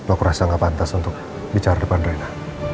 aku rasa gak pantas untuk bicara depan mereka